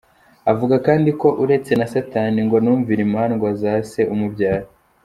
Avuga kandi ko uretse na Satani, ngo anumvira imandwa za se umubyara.